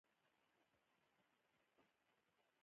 که دا نېشه وه د جنت هوا بيا کومه وه.